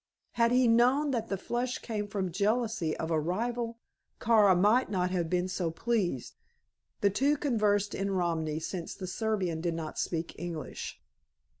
Had he known that the flush came from jealousy of a rival, Kara might not have been so pleased. The two conversed in Romany, since the Servian did not speak English.